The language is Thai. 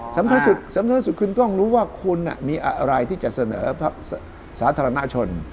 สำคัญสุดสำคัญสุดคุณต้องรู้ว่าคุณมีอะไรที่จะเสนอสาธารณชน